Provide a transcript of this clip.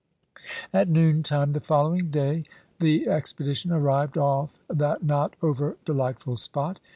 At noon time the following day the expedition arrived off that not over delightful spot.